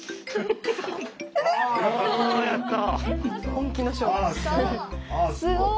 本気の勝負。